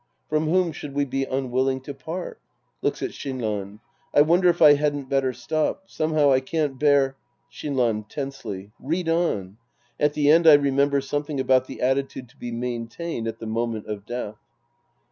From whom should we be unwilling to part. {Looks at Shinran.) I wonder if I hadn't better stop. Somehow I can't bear — Shinran {tensely). Read on. At the end I re member something about the attitude to be maintained at the moment of death.